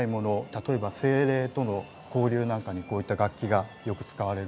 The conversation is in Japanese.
例えば精霊との交流なんかにこういった楽器がよく使われるんですね。